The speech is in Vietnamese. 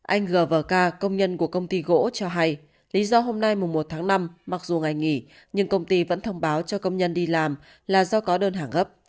anh gvk công nhân của công ty gỗ cho hay lý do hôm nay một tháng năm mặc dù ngày nghỉ nhưng công ty vẫn thông báo cho công nhân đi làm là do có đơn hàng gấp